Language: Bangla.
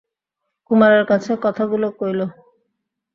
কুমারের কাছে কথাগুলো কইল।